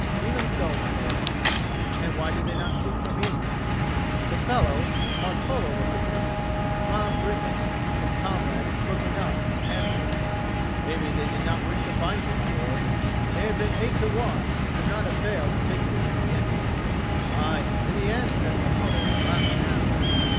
"Even so, my lord." "And why did they not seek for me?" The fellow Martolo was his name smiled grimly; and his comrade, looking up, answered: "Maybe they did not wish to find you, my lord. They had been eight to one, and could not have failed to take you in the end." "Aye, in the end," said Martolo, laughing now.